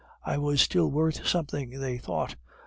I was still worth something, they thought.